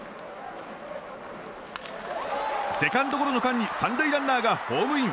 セカンドゴロの間に３塁ランナーがホームイン。